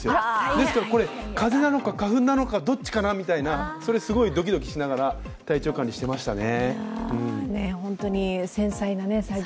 ですから風邪なのか花粉なのかどっちかなみたいな、すごいドキドキしながら体調管理していましたね。